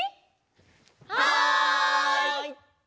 はい！